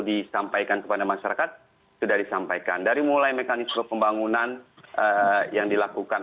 disampaikan kepada masyarakat sudah disampaikan dari mulai mekanisme pembangunan yang dilakukan